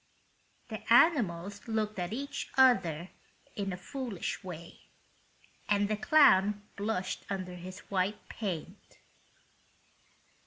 The animals looked at each other in a foolish way, and the clown blushed under his white paint.